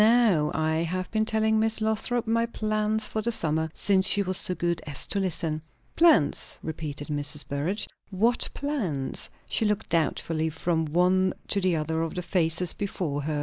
Now, I have been telling Miss Lothrop my plans for the summer, since she was so good as to listen." "Plans?" repeated Mrs. Burrage. "What plans?" She looked doubtfully from one to the other of the faces before her.